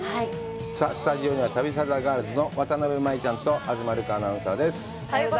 さあ、スタジオには旅サラダガールズの渡辺舞ちゃんと東留伽アナウンサーです。